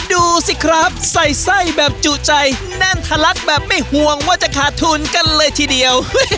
ดูสิครับใส่ไส้แบบจุใจแน่นทะลักแบบไม่ห่วงว่าจะขาดทุนกันเลยทีเดียว